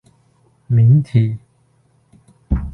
明體